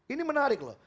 ini menarik loh